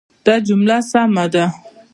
دا جمله سمه ده.